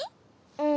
うん。